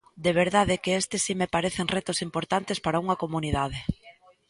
De verdade que estes si me parecen retos importantes para unha comunidade.